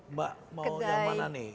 mau yang mana nih